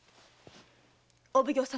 お奉行様